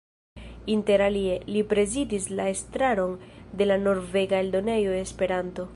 Interalie, li prezidis la estraron de la norvega Eldonejo Esperanto.